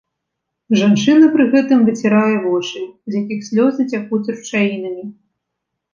Жанчына пры гэтым выцірае вочы, з якіх слёзы цякуць ручаінамі.